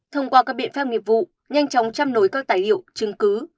thông qua các biện pháp nghiệp vụ nhanh chóng chăm nối các tài liệu chứng cứ